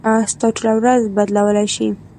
ستا ټوله ورځ بدلولی شي.